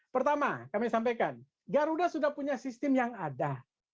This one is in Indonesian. pertama kami sampaikan garuda sudah punya sistem yang ada